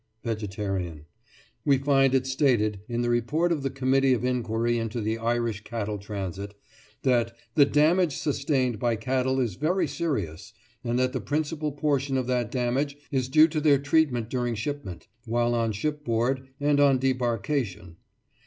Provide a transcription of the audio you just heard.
VEGETARIAN: We find it stated, in the Report of the Committee of Inquiry into the Irish Cattle Transit, that "the damage sustained by cattle is very serious, and that the principal portion of that damage is due to their treatment during shipment, while on shipboard, and on debarkation."